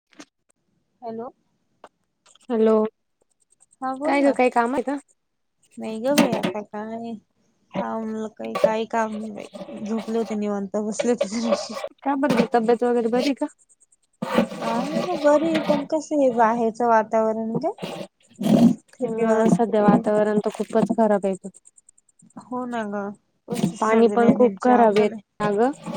[inaudible] Hello? Hello? हा बोल काय ग ना, काही काम आहे का नाही ग बाई आता काय? काम काही काही काम नाही, झोपले होते निवांत बसले होते जराशी काबर तब्यत वगैर बरी का? आहे ग बरी आहे, पण कस हे बाहेरचं वातावरण ग हा सध्या वातावरण तर खूपच खराब आहे त हो ना गं नुसतं सर्दीयाने जाम झाले. अग.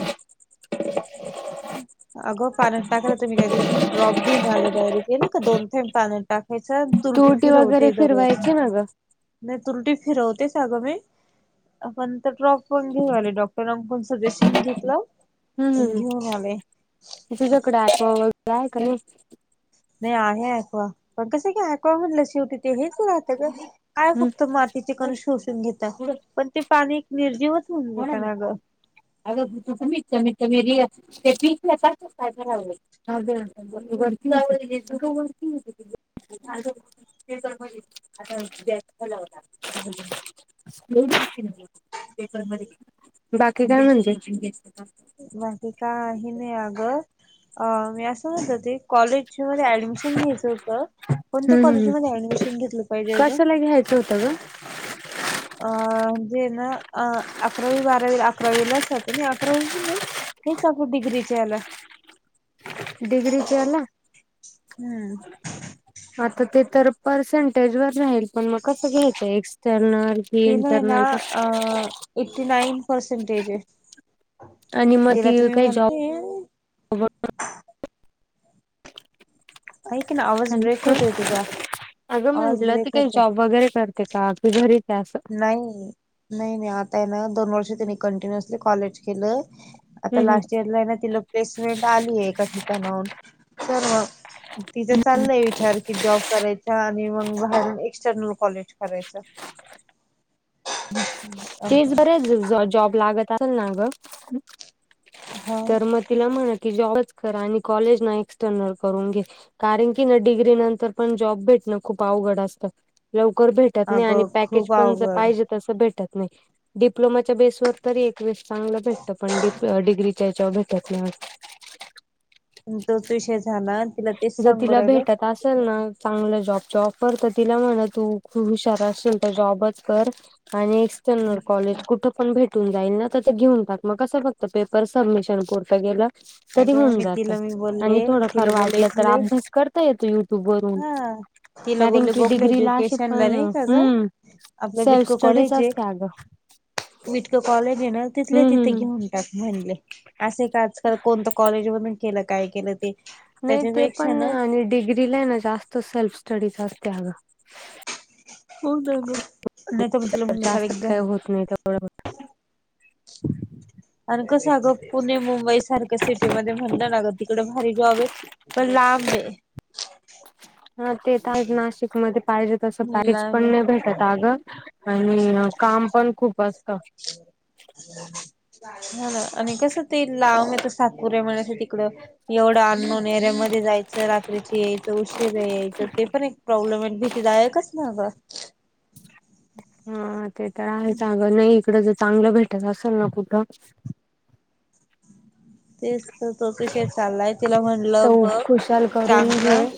अगं पाण्यातं टाकायला मि त्या दिवशी ड्रॉप घेउन आले डायरेट ते नही का दोन थेंब पान्यात टाक ह्याच्यात तू तुरटी उटी वगैरे फिरवते दररोज फिरवायची ना ग नाही तुरटी फिरवतेच, अगं मी हा पण तर ड्रॉप पण घेऊन आले, डॉक्टरांकुण सजेशन घेतलं, हम्म अन हम्म घेऊन आले. तुझ्याकडे ऍक्वा वगैरे आहे का नाही? नाही आहे ऍक्वा, पण कसं की ऍक्वा म्हनल्यास शेवटी ते हेच राहत गं काय फक्त मातीचे कण शोषून घेतता पण ते पाणी निर्जीव कोणाला ना अग म म म रि [unintelligible] ते पीठलं कसच कायराव वरतीरती आ [unintelligible] [unintelligible] बाकी काय म्हणते? बाकी काही नाही अगं, मि असं म्हणत होते कॉलेज मध्ये ऍडमिशन घ्यायचं होतं, कोणत्या हम्म कॉलेजमध्ये ऍडमिशन घेतलं पाहिजे गं? कुठे घ्यायच होत गं? अ म्हजे ना, अ अकरावी बारावी अकरावीलाचात नाही अकरावी हेच आपल्या डिग्री च्या याला डिग्रीच्या याला? हम्म आता ते तर पर्सेंटेज वर राहील पण मग कसं घ्यायचं एक्सटर्नल? कि तिनी ना इंटरनल का अ एटी नाईन पर्सेंटेज आहे. आणि मग तिला ती त मि काही म्हणते जॉब ऐक ना आवाज ब्रेक होतोय तुझा अगं आवाज म्हटलं ब्रेक ती काही होतोय जॉब वगैरे करते? ते का? कि घरिच? नाही नाही नाही आताय ना दोन वर्ष त्यांनी कंटिन्युअसली कॉलेज केलं. आता हम् हम. लास्ट इयरलांना तिला प्लेसमेंट आलीय एका ठिकाणाहून चल मग तिचं चाललंय विचार की जॉब करा ते आणि मग बाहेरनं एक्सटर्नल कॉलेज करायचं. अ, तेच बरंय जॉ जॉब लागत असेल ना गं? हा तर मंग तिला म्हणं कि, जॉबच कर आणि कॉलेज ना एक्सटर्नल करून घे. कारण की ना डिग्री नंतर पण जॉब भेटण खूप अवघड असतं लवकर भेट भेटत नाही आणि अगं पॅकेज खूप पण जस अवघड पाहिजे तसं भेटत नाही. डिप्लोमाच्या बेसवर तरी एकवेळेस चांगलं भेटतं पण डिप्- डिग्रीच्या भेटत नाही. हुं तोच विषय झाला तिला तेच जर सांगू तिला राहिलो भेटत असेल ना चांगलं जॉब जॉब करत तिला म्हण तू हुशार असेील तर जॉबच कर आणि कॉलेज कुठे पण भेट कुठून जाईल ना तर घेऊन टाक मग कसं फक्त पेपर सबमिशन पुरतं गेलं. तरी अगं होऊन मी जात तिला मी बोलले आणि थोडंफार तिला बोलले वाटलं तर इथले अभ्यास करता येतो युट्यूब वरून हा तिला बोलले कारणकि गोखले डिग्रीला अशी एज्युकेशन ला पण नाही का ग हुं आपलं सेल्फ स्टडीच असते अगं. बीटको कॉलेजहेंना तिथले हम्म तिथे हम्म हम्म घेऊन त्यात म्हणंलय असे का आजकाल कोणत कॉलेज मधून केलं काय केलं ते नाही ते पण त्याच्यापेक्षा ना नाही आणि डिग्रीलायनां जास्त सेल्फस्टडीच असत्या अगं. हों गं गं- जास्त काही होत नाही त्यामुळ होत नाय. आणि कस गं पुणे मुंबई सारख्या सिटीमध्ये म्हणलं ना ग तिकडे भारी जॉब येत- पण लाबंये - हां ते तर हायच नाशिकमध्ये पाहिजे तसं पॅकेज लांब पण आहे. नाही भेटत आगं आणि- कामं पण खूप असतं. हों नां आणि कसं ते लांब येत सातपूर हे ते म्हण तिकडं एवढं अन्नोन एरिऱ्यामध्ये जायचं रात्रीची यायचं उशीर यायचं ते पण एक- प्रॉब्लेम आणि भीतीदायकच नां गं. हां ते तर आहेच अगं नाही इकड जर चांगलं भेटत असेल ना कुठं- तेच तर तोच विषय चाललाय तिला म्हटलं तर बघ खुशाल करून घे चांगलं.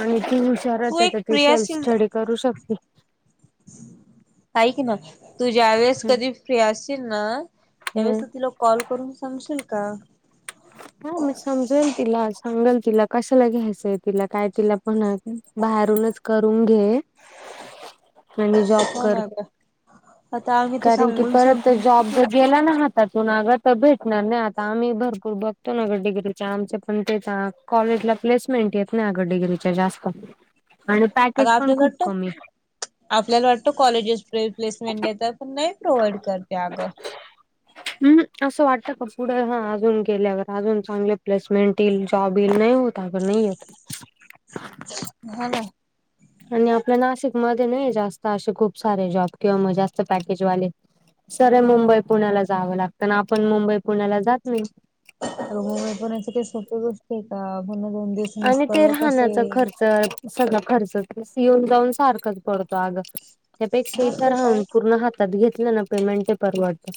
आणि ती तू हुशारच आहे एक तर ती फ्री सेल्फ स्टडी करू शकते. आयकीना ना तू ज्या वेळेस कधी फ्री असशील ना हम्म त्यावेळेस तू तीला - कॉल करून सांगशील का? हां मी समजवेल तिला सांगल तिला कशाला घ्यायचंय तिला काय तिला- पण नायकी बाहेरूनच करून घे. आणि जॉब हो कर ना ग आता आम्ही तर कारण की सांगून परत सांगून जॉब जर थकलो जे गेला ना - हातातून आगं तर भेटणार नाही आता आम्ही भरपूर बघ- त्या नां गं डीग्रीच्या आमच्या पण तेच आं कॉलेजला प्लेसमेंट येत नाय येत डीग्रीच्या जास्त आणि अगं पॅकेज पण आपल्याला खूप वाटतं कमीय- आपल्याला वाटतं कॉलेजेस् प्ले प्लेसमेंट देत पण नाही प्रोव्हाइड करते अगं. हुं असं वाटतं का पुढं आं अजून गेल्यावर- अजून चांगले प्लेसमेंट येईल, जॉब येईल, नाही होता अग नाही येत. हां नां- आणि आपल्या नाशिकमध्ये नाही जास्त असे खूप सारे जॉब किंवा मग जास्त पॅकेजवाले. सऱ्या मुंबई पुण्याला जावं लागतं ना आपण मुंबई पुण्याला जात नाही. अगं होय पुण्याची काही सोपी गोष्टीयेका का आपण दोन दिवस- आणि ते राहण्याचा खर्च- सगळा खर्चच येऊन जाऊन सारखंच पडतो आगं त्यापेक्षाही हा तर ते राहून काय पूर्ण हात- त्यात घेतलं ना पेमेंट ते परवडत.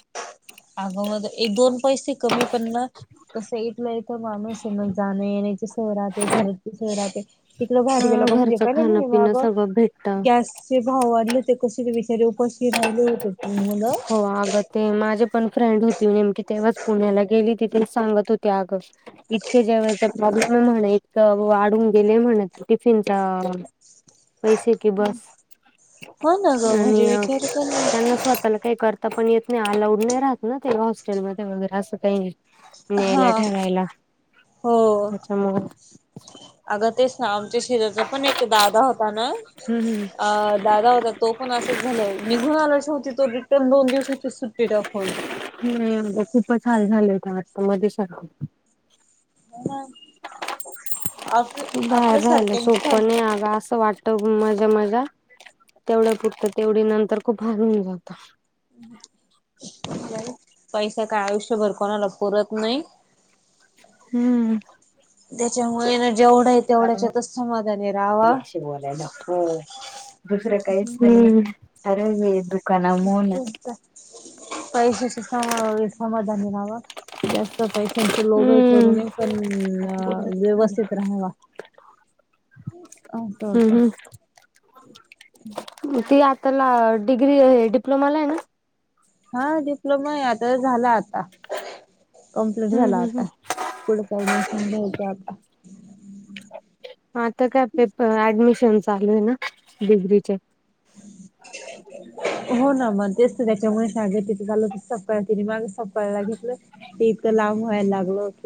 अगं मध्ये एक दोन पैसे कमी पण नां- कसं येतलंय तर माणूस आहे मग जाण येण्याची सोय राहते घरची सोय राहते. तिकडं बाहेर हा गेलंोक म्हणजे घरचं पहिले खाणं नाही पिणं मग सगळं भेटत. गॅस े भाव वाढले होते कसे ते विचारे उपाशी राहिले होते. मुलं हो आग ते माझे पण फ्रेंड होती नेमकी तेव्हाच पुण्याला गेली तिथे सांगत होते अगं इतके ज्या वळेचा प्रॉब्लेम आहे म्हणे इतकं वाढून गेले म्हणत टिफिनचा पैसे कि बस हो ना ग म्हणजे आणि विचार कर ना त्यांना स्वतःला काही करता पण येत नाही अलाउड नाही राहत ना ते हॉस्टेलमध्येध्ये वगैरे असं काही नाही. हा न्यायला ठेवायला हो त्याच्यामुळ अगं तेच ना आमच्या शेजारचा पण एक दादा होता ना हम्म हम्म. अ दादा होता. तो पण असंच झालं निघून आला शेवटी तो रिटर्न दोन दिवसाची सुट्टी टाकून. हुं खूपच हाल झाले होते वाटत मध्येच सारख- मॅडम- बाहेर राहयला सारख्यांच सोप झालत नाही अगं असं वाट- तगुन मज्या मज्या तेवढ्या पुरती तेवढी नंतर खूप हाल हुन जातं. [unintelligible] नाही. पैसा काय आयुष्यभर कोणालाच पूरत नाही. हम्म, त्याच्यामुळे ना जेवढं आहे तेवढ्याच्यातच समाधानी राहाव. दुसरं काहीच नाही, अगं येत. तेच तर, पैशाची समा समाधानी रहाव. जास्त पैशां लोभ करु हम्म नये. पण व्यवस्थित राहावा. अस होत. हम्म ती आताला डिग्री हे डिप्लोमाला आहे न. हा डिप्लोमा आहे. आता झाला आता कम्प्लीट हम्म झाला हम्म आता. हम्म पुढ काय नाही. घ्यायचं आता. आता काय पेपर ऍडमिशन चालू आहे ना. डिग्रीचे हो, ना मग तेच त्याच्यामुळे सगळे तिथ चाल होत तिथ जायचं. कळला घेतलं ते इतकं लांब व्हायला लागल होत.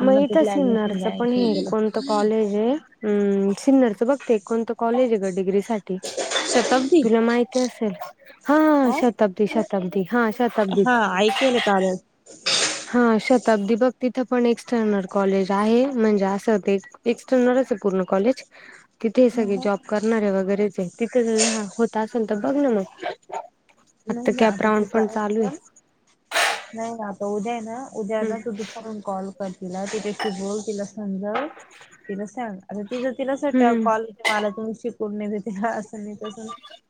मगं हीथ सिनिअर च पण हे केलं. कोणतं कॉलेज आहे? हम सिनिअरचं बघते. कोणतं कॉलेज आहे ग डिग्री सा ठी शताब्दी तुला माहिती असेल. हा शताब्दी शताब्दी हा हा शताब्दीच ऐकले काल हा शताब्दी बघ. तिथं पण एक्सटर्नल कॉलेज आहे. म्हणजे असं ते एक्सटर्नलच पूर्ण कॉलेज तिथे ह सगळे ह जॉब कर नारे वगैरेच आहे तिथं रहा होत असेल तर बघ ना मग, नाही आत्ता नाही कॅप आता राऊंड तू पण काय चालू आहे. कर नाही ना आता उद्या ना उद्या ना तू दुसरून कॉल कर तिला तिच्याशी बोल तिला समजव. तिला सांग आता ति जर तिला सट हम्म कॉल मला तर बाई तुम्ही शिकवून नाही भेटला.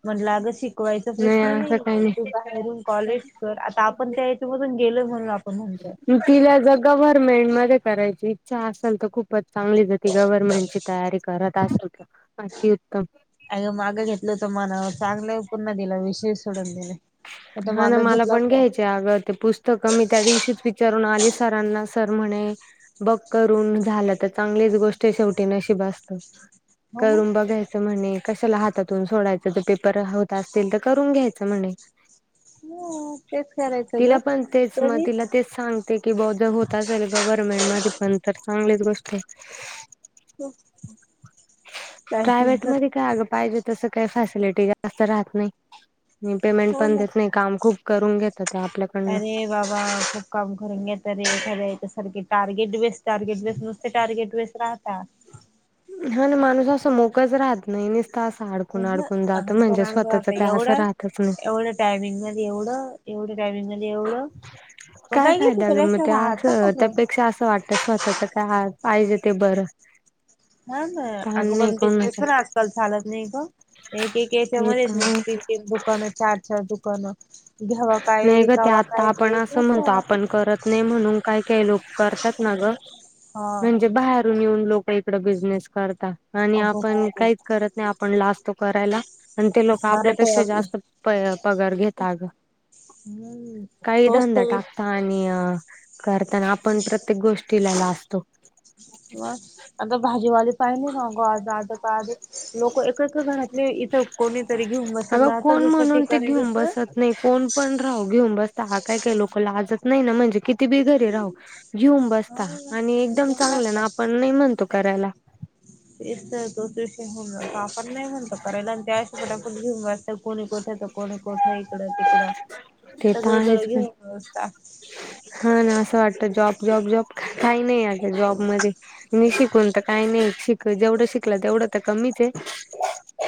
म्हटलं अग शिकवायचा प्रश्न नाही. बाहेरून कॉलेज कर. आता आपण त्या हेच्यामधून गेलोय म्हणून आपण म्हणतोय तू तिला जग गव्हर्नमेंट मध्ये करायची इच्छा असेल तर खूपच चांगलीच आहे. ती गव्हर्नमेंटची तयारी करत असेल तर, अति उत्तम अ मागं घेतलं होत मनावर चांगलं आहे. पुन्हा दिलं विषय सोडून दिले. हा ना मला पण घ्यायचं ते अगं पुस्तकं मी त्या दिवशीच विचारून आली सरांना सर म्हणे बघ करून झालं तर चांगलीच गोष्ट आहे शेवटी नशीब आसत हो मग करून बघायच. ते म्हणे कशाला हातातून सोडायचं तर पेपर होत असतील तर करून घ्यायचं. म्हणे, हो तेच करायचं ग तिला पण तेच मग कधी तिला तेच सांगते की बहुदा होत असेल तर गव्हर्मेंट मध्ये पण तर चांगलीच गोष्ट आहे. प्रायव्हेट टायपिंगच मध्ये काय अग पाहिजे तसं काही फॅसिलिटी जास्त राहत नाही. पेमेंट हो पण ना देत नाही. काम खूप करून घेत्याती. हो आपल्या अरे बाबा काम करून घेताने तर एखाद्या सारखे टार्गेट वेस टार्गेट वेस नुसते टार्गेट वेस राहात. हा ना माणूस असं मोकळाच राहत नाही. असं अडकून अडकून [unintelligible] जातं म्हणजे स्वतःच आता काय असं एवढं. राहतच नाही. एवढं टायमिंग मध्ये एवढं. एवढ्या टायमिंगमधे एवढं. मग काय घेत फायदा ग सगळ्या मग ते राहता असं? मग त्यापेक्षा असं वाटतं स्वतःच काय पाहिजे ते बरं. हा ना. ताण अग नाही पण बिझनेस कोणाचा पण आजकाल चालत नाही ग. एक एक ते तर याच्यामध्येच म आहे तीन तीन दुकानं, चार चार दुकानं घ्यावा काय? नाही ग ते विकावा आता काय आपण ते असं कस म्हणतो आपण करत नाही म्हणून काही काही लोक करतात ना गं. हा म्हणजे बाहेर मागून येऊन लोक इकड बिझनेस करतात आणि अगो आपण काहीच करत नाही आपण लाजतो करायला. आणि ते लोक मराठी आपल्यापेक्षा हवी. जास्त प पगार घेतात आगं. हम्म काहीही तोच धंदा तर एक टाकता आणि करता. अन आपण प्रत्येक गोष्टीला लाजतो. ह अग भाजीवाले पायले ना? [unintelligible] लोक एक एका घरातले इथं कोणी तरी घेऊन बसेल अगं ना तर कोण दुसऱ्या म्हणून ते ठिकाणी घेऊन तसं. बसत कोण पण राहू घेऊन बसता. हा. काय काय लोक लाजत नाही ना? म्हणजे किती बी घरी राहू- घेऊन हा बसता आणि एकदम घेऊन चांगलं ना. बसतात. आपण नाही म्हणतो करायला. तेच तर [unintelligible] आपण नाही म्हणतो करायला आणि ते असे पटापट घेऊन कोणी कोण- कोणी कोठ इकडं तिकडं. ते तर सगळीकडं आहेच पण घेऊन बसता. हा ना. असं वाटतं जॉब जॉब जॉब. काही नाही अग, जॉबमध्ये. मी शिकून तर- काही नाही. शिकू जेवढं शिकला तेवढं तर कमीच आहे.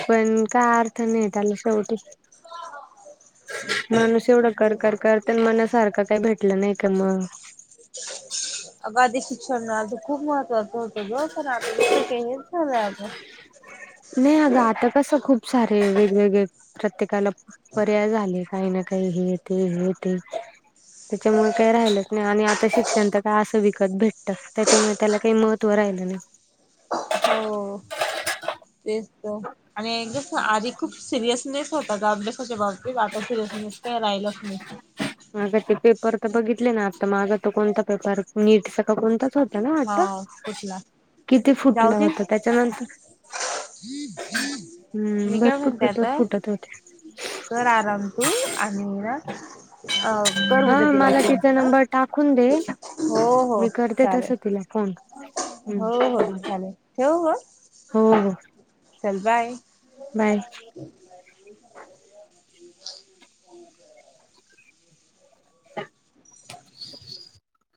पण काय अर्थ नाही त्याला शेवटी. माणूस एवढं कर तेच कर तर करत. मनासारखं काही भेटलं नाही का मग- अग आधी शिक्षण आ खूप महत्वाचं होतं ग. पण आता जसं काही हेच झालंय अगं. नाही अगं आता कसं खूप सारे वेगवेगळे, प्रत्येकाला- पर्याय झाले काही ना काही हे ते हे ते. त्याच्यामुळे काही राहिलंच नाही. आणि आता शिक्षण तर काय असं विकत भेटतं. त्याच्यामुळे त्याला काही मह - त्व राहील नाही. हो. तेच त. आणि आधी खूप सिरियसनेस होत- मग अभ्यासाच्या बाबतीत आता सिरियसनेस काही राहिलाच नाही. माग ते पेपर तर बघितले ना? आता माग तो कोणता पेपर नीट चा का कोणता तो? ना आता. हा सुटला किती जाऊ फुटला दे होता. त्याच्यानंतर- हम्म. मी काय भरपूर म्हणते पेपर आता फुटत होते. कर आराम तू आणि ना- अ कर हा उद्या तिला मला फोन तिचा हा नंबर टाकून दे- हो हो मी करते तस चालेल तिला फोन. हो हम्म हो चालेल. ठेवू म? हो हो. चल बाय. बाय. ह हम्